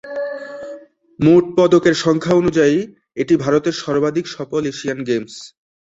মোট পদকের সংখ্যা অনুযায়ী, এটি ভারতের সর্বাধিক সফল এশিয়ান গেমস।